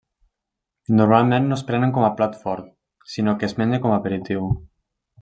Normalment no es prenen com a plat fort, sinó que es mengen com aperitiu.